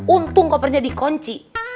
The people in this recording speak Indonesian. untung kopernya dikunci